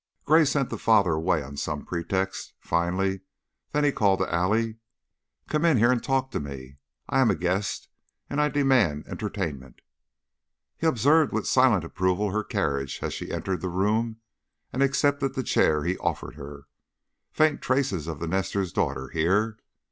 Gray sent the father away on some pretext, finally; then he called to Allie: "Come in here and talk to me. I am a guest and I demand entertainment." He observed with silent approval her carriage as she entered the room and accepted the chair he offered her. Faint trace of the nester's daughter here.